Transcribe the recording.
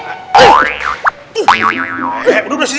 eh udah berhasil